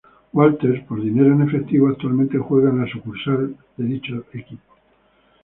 Walters por dinero en efectivo, actualmente juega en la sucursal Triple-A de dicho equipo.